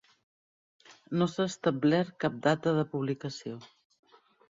No s'ha establert cap data de publicació.